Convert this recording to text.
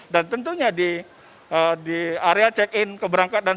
dan tentunya di area check in keberangkatan